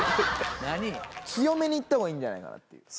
強めにいった方がいいんじゃないかなっていう。